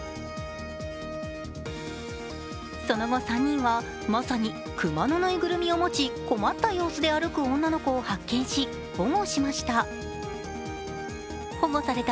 その後、３人はまさに熊の縫いぐるみを持ち、困った様子で歩く女の子を発見し保護しました。